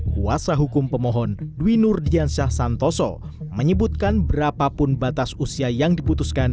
kuasa hukum pemohon dwi nurdiansyah santoso menyebutkan berapapun batas usia yang diputuskan